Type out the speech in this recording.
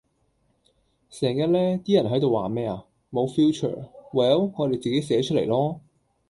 成日呢，啲人喺到話咩呀?無 Future? Well 我哋自己寫出嚟囉！